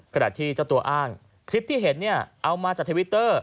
ขณะที่เจ้าตัวอ้างคลิปที่เห็นเนี่ยเอามาจากทวิตเตอร์